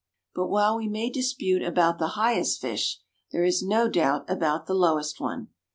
But while we may dispute about the highest fish, there is no doubt about the lowest one.